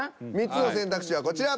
３つの選択肢はこちら。